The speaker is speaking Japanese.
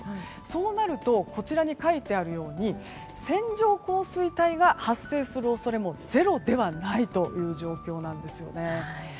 そうなるとこちらに書いてあるように線状降水帯が発生する恐れもゼロではないという状況なんですよね。